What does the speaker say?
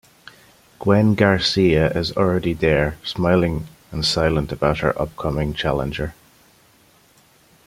Gwen Garcia is already there, smiling and silent about her upcoming challenger.